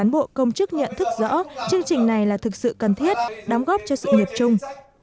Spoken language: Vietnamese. bộ công chức nhận thức rõ chương trình này là thực sự cần thiết đóng góp cho sự nghiệp chung